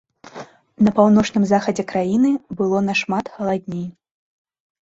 На паўночным захадзе краіны было нашмат халадней.